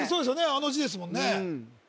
あの字ですもんね